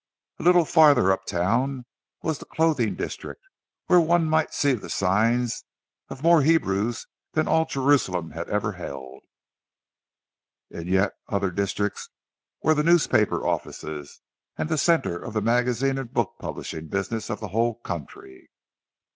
A little farther up town was the clothing district, where one might see the signs of more Hebrews than all Jerusalem had ever held; in yet other districts were the newspaper offices, and the centre of the magazine and book publishing business of the whole country.